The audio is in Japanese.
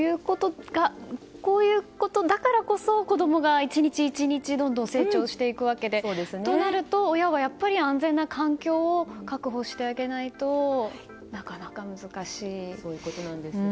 こういうことだからこそ子供が１日１日どんどん成長していくわけでとなると、親は安全な環境を確保してあげないとなかなか難しい。